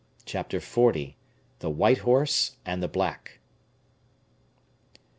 Chapter XL: The White Horse and the Black.